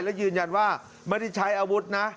และยืนยันว่าไม่ได้ใช้อาวุธนะ